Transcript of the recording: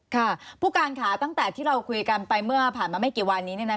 ค่ะผู้การค่ะตั้งแต่ที่เราคุยกันไปเมื่อผ่านมาไม่กี่วันนี้